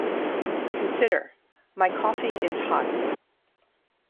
Consider "My coffee is hot".